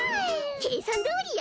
計算どおりや！